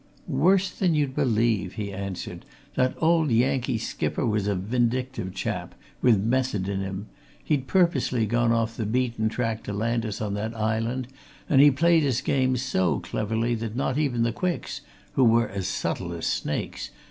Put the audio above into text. "Worse than you'd believe," he answered. "That old Yankee skipper was a vindictive chap, with method in him. He'd purposely gone off the beaten track to land us on that island, and he played his game so cleverly that not even the Quicks who were as subtle as snakes!